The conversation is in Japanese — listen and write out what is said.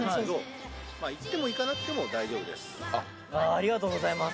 ありがとうございます。